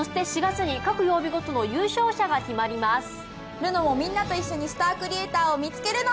るのもみんなと一緒にスタークリエイターを見つけるの。